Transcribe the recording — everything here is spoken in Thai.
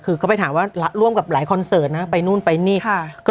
คือเขาไปถามว่าร่วมกับหลายคอนเสิร์ตนะไปนู่นไปนี่